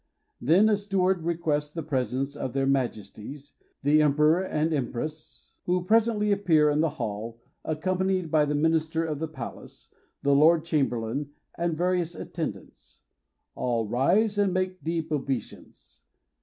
Then a steward requests the presence of their Majes ties, the Emperor and Empress, who presently appear in the hall, accom panied by the Minister of the Palace, the Lord Chamberlain, and various at tendants. All rise and make deep obeisance.